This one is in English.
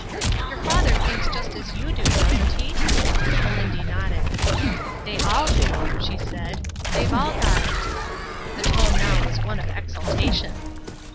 ''Your father thinks just as you do, doesn't he?'' Melindy nodded. "They all do," she said. '^ They've all got it." The tone now was one of exultation.